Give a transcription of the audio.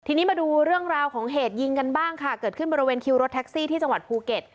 ทีนี้มาดูเรื่องราวของเหตุยิงกันบ้างค่ะเกิดขึ้นบริเวณคิวรถแท็กซี่ที่จังหวัดภูเก็ต